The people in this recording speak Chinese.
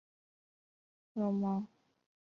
绒毛折颚蟹为方蟹科折颚蟹属的动物。